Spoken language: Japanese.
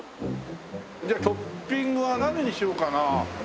じゃあトッピングは何にしようかな。